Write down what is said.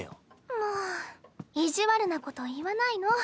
もう意地悪なこと言わないの。